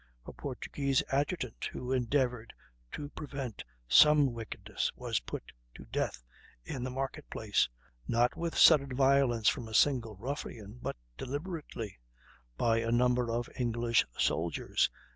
a Portuguese adjutant, who endeavored to prevent some wickedness, was put to death in the market place, not with sudden violence from a single ruffian, but deliberately, by a number of English soldiers....